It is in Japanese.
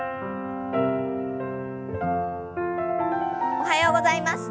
おはようございます。